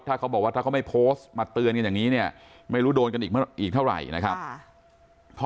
ถ้าเขาบอกว่าถ้าเขาไม่โพสต์มาเตือนกันอย่างนี้เนี่ยไม่รู้โดนกันอีกเท่าไหร่นะครับ